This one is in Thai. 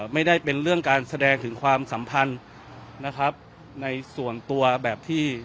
ไม่ได้เป็นเรื่องการแสดงถึงความสัมพันธ์นะครับในส่วนตัวแบบที่